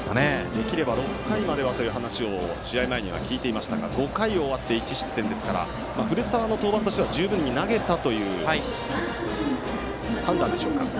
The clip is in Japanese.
できれば６回まではという話を試合前、していましたが５回を終わって１失点ですから古澤の登板としては十分に投げたという判断でしょうか。